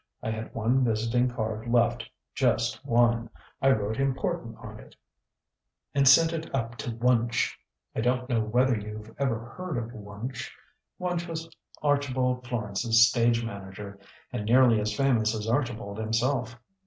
I had one visiting card left just one. I wrote 'Important' on it, and sent it up to Wunch. I don't know whether you've ever heard of Wunch. Wunch was Archibald Florence's stage manager, and nearly as famous as Archibald himself.